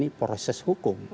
jadi ini adalah proses hukum